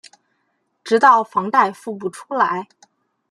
直到房贷付不出来